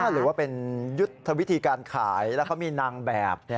หรือว่าเป็นยุทธวิธีการขายแล้วเขามีนางแบบ